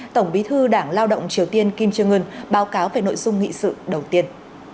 tổng bí thư đảng lao động triều tiên kim jong un báo cáo về nội dung nghị sự đầu tiên